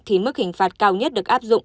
thì mức hình phạt cao nhất được áp dụng